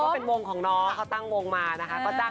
เพราะว่าใจแอบในเจ้า